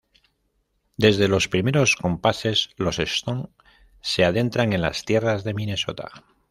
Desde los primeros compases, los Stones se adentran en las tierras de Minnesota.